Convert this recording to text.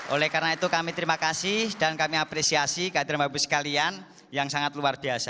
oleh karena itu kami terima kasih dan kami apresiasi kehadiran bapak ibu sekalian yang sangat luar biasa